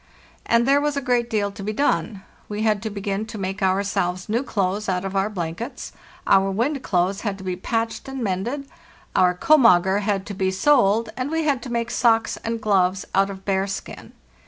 And there was a great deal to be done. We had to begin to make ourselves new clothes out of our blankets; our wind clothes had to be patched and mended; our "komager" had to be soled, and we had to make socks and gloves out of " bearskin.